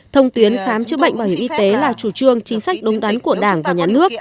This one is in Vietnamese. thông tuyến khám chữa bệnh bảo hiểm y tế là chủ trương chính sách đúng đắn của đảng và nhà nước